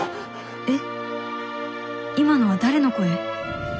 えっ今のは誰の声？